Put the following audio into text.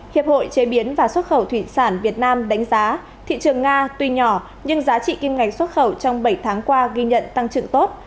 hiệp hội chế biến và xuất khẩu thủy sản việt nam đánh giá thị trường nga tuy nhỏ nhưng giá trị kim ngạch xuất khẩu trong bảy tháng qua ghi nhận tăng trưởng tốt